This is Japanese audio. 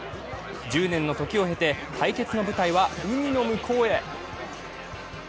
１０年の時を経て対決の舞台は海の向こうへ。